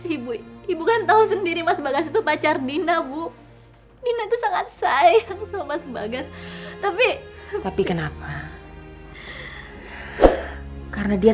ibu ibu kan tahu sendiri mas bagas itu pacar dina